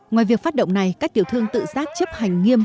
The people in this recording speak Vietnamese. ngoài việc phát động này các tiểu thương tự giác chấp hành nghiêm